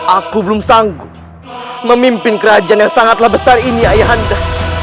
aku belum sanggup memimpin kerajaan yang sangatlah besar ini ayah anda